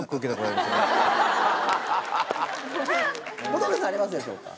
小峠さんありますでしょうか？